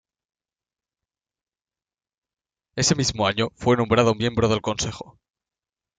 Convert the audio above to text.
Ese mismo año, fue nombrado miembro del consejo.